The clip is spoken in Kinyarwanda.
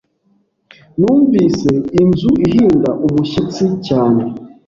Numvise inzu ihinda umushyitsi cyane.